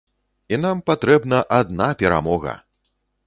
І нам патрэбна адна перамога!